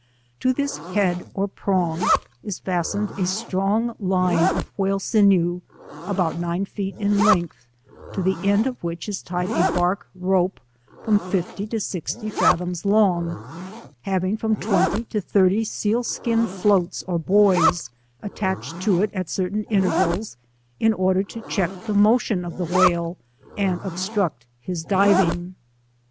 To this head or prong i» fastened a strong lina of whale sinew, about nine feet in length, to the end of which is tied a bark rope from fifty to sixty fathoms long, having from twenty to thirty seal skin floats or buoys, attached to it at certain intervals, in order to check the motion of the whale, and ob struct his diving.